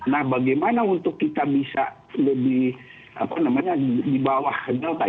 nah bagaimana untuk kita bisa lebih di bawah delta